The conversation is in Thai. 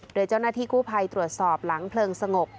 โดยเจ้าหน้าที่กู้ภัยตรวจสอบหลังเพลิงสงบ